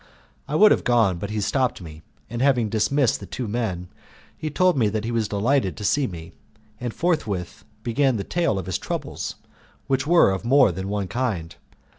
I would have gone, but he stopped me, and having dismissed the two men he told me that he was delighted to see me, and forthwith began the tale of his troubles, which were of more than one kind.